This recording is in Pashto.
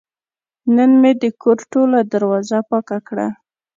نن مې د کور ټوله دروازه پاکه کړه.